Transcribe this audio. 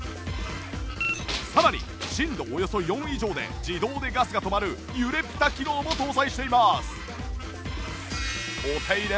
さらに震度およそ４以上で自動でガスが止まる揺れピタ機能も搭載しています